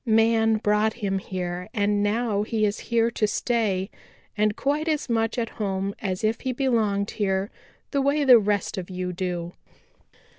Man brought him here and now he is here to stay and quite as much at home as if he belonged here the way the rest of you do.